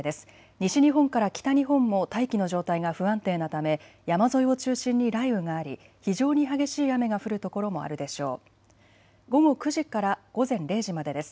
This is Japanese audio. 西日本から北日本も大気の状態が不安定なため山沿いを中心に雷雨があり非常に激しい雨が降る所もあるでしょう。